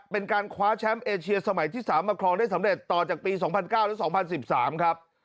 เป็นการคว้าแชมป์เอเชียสมัยที่๓มาครองได้สำเร็จต่อจากปี๒๐๐๙และ๒๐๑๓ครับ